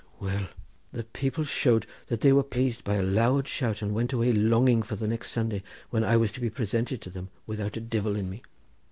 Well, the people showed that they were plased by a loud shout, and went away longing for the next Sunday when I was to be presented to them without a divil in me.